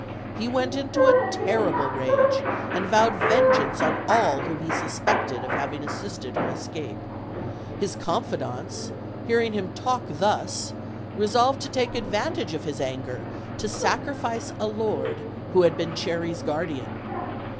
He went into a terrible rage, and vowed vengeance on all whom he suspected of having assisted her escape. His confidants, hearing him talk thus, resolved to take advantage of his anger to sacrifice a lord who had been Cherry's guardian.